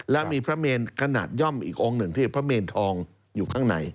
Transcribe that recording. แล้วมีพระเมนขนาดย่อมอีกองค์หนึ่งที่พระเมนทองอยู่ข้างใน